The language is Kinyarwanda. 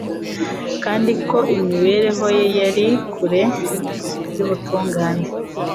kandi ko imibereho ye yari kure y'ubutungane.